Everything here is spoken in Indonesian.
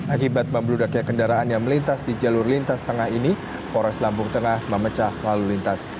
akibat membeludaknya kendaraan yang melintas di jalur lintas tengah ini polres lampung tengah memecah lalu lintas